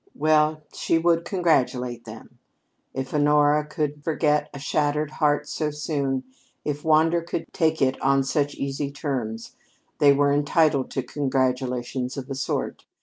Well, she would congratulate them! If Honora could forget a shattered heart so soon, if Wander could take it on such easy terms, they were entitled to congratulations of a sort.